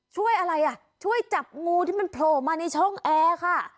ช่วยอะไรอ่ะช่วยจับงูที่มันโผล่มาในช่องแอร์ค่ะ